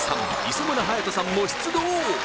磯村勇斗さんも出動